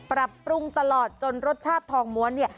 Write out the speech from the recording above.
ปรับปรุงตลอดจนรสชาติทองม้วนเนี่ย